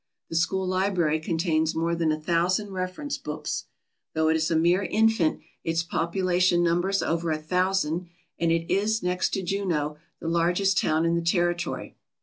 The school library contains more than a thousand reference books. Though it is a mere infant, its population numbers over a thou sand, and it is, next to Juneau, the largest town in the territory.